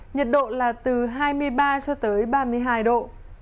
nhiệt độ là từ hai mươi ba cho tới ba mươi hai độ